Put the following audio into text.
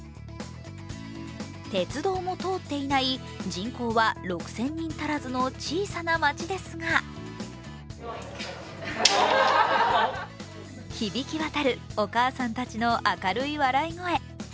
鉄道も通っていない人口は６０００人足らずの小さな町ですが響きわたるお母さんたちの明るい笑い声。